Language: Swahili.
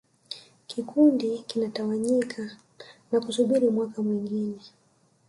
Kikundi kinatawanyika na kusubiri mwaka mwingine